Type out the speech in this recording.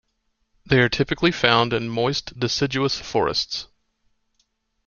They are typically found in moist deciduous forests.